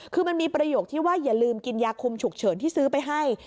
คือมันมีประโยคที่ว่าอย่าลืมกินยาคุมฉุกเฉินที่ซื้อไปให้